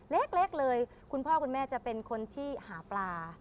เล็กเลยคุณพ่อคุณแม่จะเป็นคนที่หาปลา